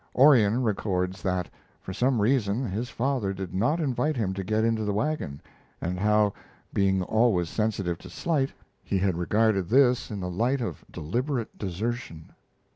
Orion records that, for some reason, his father did not invite him to get into the wagon, and how, being always sensitive to slight, he had regarded this in the light of deliberate desertion.